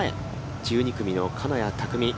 １２組の金谷拓実。